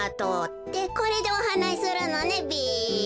ってこれでおはなしするのねべ。